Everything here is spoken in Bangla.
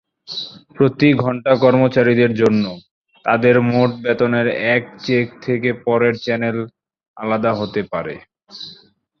প্রতি ঘণ্টা কর্মচারীদের জন্য, তাদের মোট বেতন এক চেক থেকে পরের চ্যানেলে আলাদা হতে পারে।